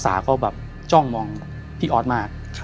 สาวเขาแบบจ้องมองพี่ออสมาก